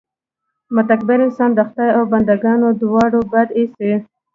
متکبر انسان د خدای او بندګانو دواړو بد اېسي.